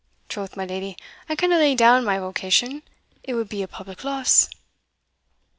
Troth, my leddy, I canna lay down my vocation; it would be a public loss."